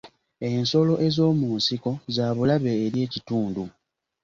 Ensolo ez'omu nsiko za bulabe eri ekitundu.